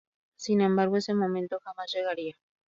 Sin embargo ese momento jamás llegaría.